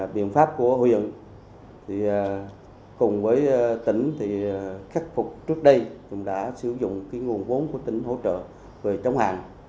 biện pháp của huyện cùng với tỉnh khắc phục trước đây cũng đã sử dụng nguồn vốn của tỉnh hỗ trợ về chống hạn